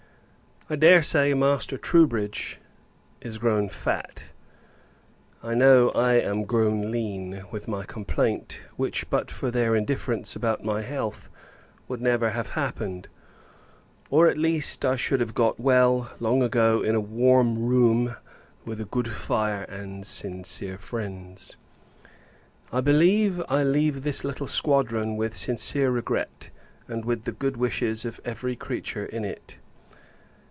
I dare say, Master Troubridge is grown fat. I know, I am grown lean, with my complaint: which, but for their indifference about my health, would never have happened; or, at least, I should have got well, long ago, in a warm room, with a good fire, and sincere friends. I believe, I leave this little squadron with sincere regret, and with the good wishes of every creature in it.